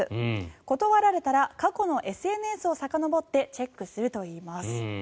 断られたら過去のＳＮＳをさかのぼってチェックするといいます。